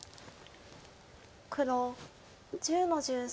黒１０の十三。